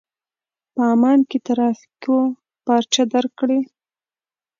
په عمان کې ترافيکو پارچه درکړې.